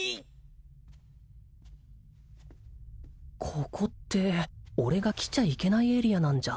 ここって俺が来ちゃいけないエリアなんじゃ